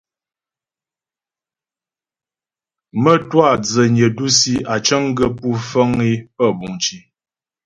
Mə́twâ dzənyə dǔsi á cəŋ gaə́ pú fəŋ é pə́ buŋ cì.